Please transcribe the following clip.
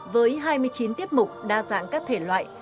với hai mươi chín tiết mục đa dạng các thể loại